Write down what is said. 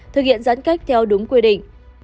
thực hiện giãn cách theo đúng quy định